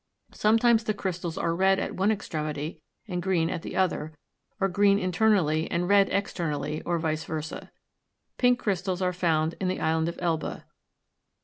Sometimes the crystals are red at one extremity and green at the other, or green internally and red externally, or vice versa. Pink crystals are found in the island of Elba.